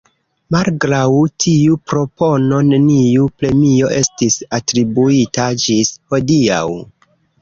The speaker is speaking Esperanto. Malgraŭ tiu propono, neniu premio estis atribuita ĝis hodiaŭ.